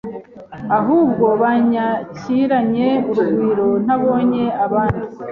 ahubwo banyakiranye urugwiro ntabonye ahandi.